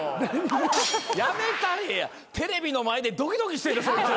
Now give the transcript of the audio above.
やめたれやテレビの前でドキドキしてるそいつ。